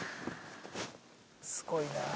すごいなあ。